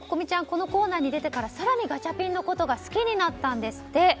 このコーナーに出てから更にガチャピンのことが好きになったんですって。